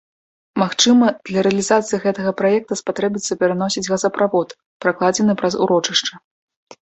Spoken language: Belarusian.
Магчыма, для рэалізацыі гэтага праекта спатрэбіцца пераносіць газаправод, пракладзены праз урочышча.